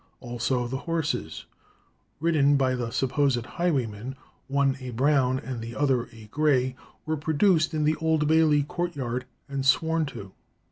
Also the horses ridden by the supposed highwaymen, one a brown and the other a gray, were produced in the Old Bailey courtyard, and sworn to.